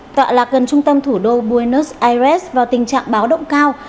tọa lạc gần trung tâm thủ đô buenos aires vào tình trạng báo động cao